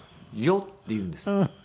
「よっ！」って言うんです。